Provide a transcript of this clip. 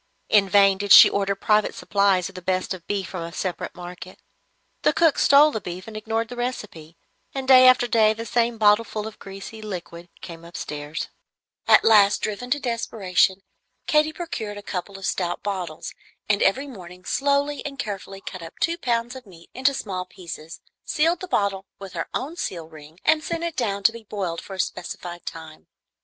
In vain did she order private supplies of the best of beef from a separate market. The cooks stole the beef and ignored the recipe; and day after day the same bottle full of greasy liquid came upstairs, which Amy would not touch, and which would have done her no good had she swallowed it all. At last, driven to desperation, Katy procured a couple of stout bottles, and every morning slowly and carefully cut up two pounds of meat into small pieces, sealed the bottle with her own seal ring, and sent it down to be boiled for a specified time.